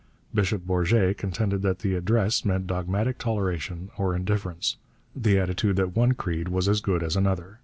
Bishop Bourget contended that the address meant dogmatic toleration or indifference, the attitude that one creed was as good as another.